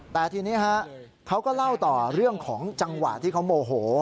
แต่ทีนี้เขาก็เล่าต่อเรื่องของจังหวะที่เขาโมโห